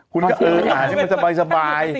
คุณก็เอาอ่านให้มันสบาย